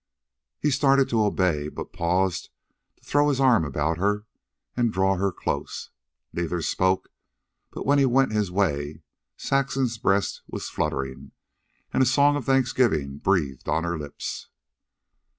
He started to obey, but paused to throw his arm about her and draw her close. Neither spoke, but when he went his way Saxon's breast was fluttering and a song of thanksgiving breathed on her lips.